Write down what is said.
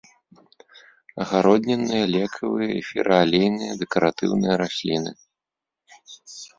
Агароднінныя, лекавыя, эфіраалейныя, дэкаратыўныя расліны.